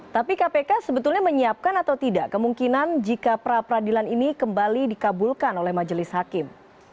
tapi kpk sebetulnya menyiapkan atau tidak kemungkinan jika pra peradilan ini kembali dikabulkan oleh majelis hakim